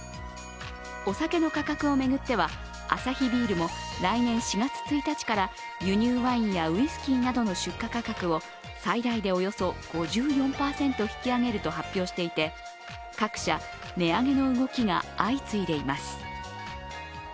お酒の価格を巡ってはアサヒビールも来年４月１日から輸入ワインやウイスキーなどの出荷価格を最大でおよそ５４％引き上げると発表していて各社、値上げの動きが相次いでいます。